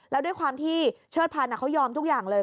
แล้วด้วยความที่เชิดพันธ์เขายอมทุกอย่างเลย